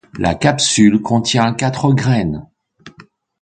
La capsule contient quatre graines.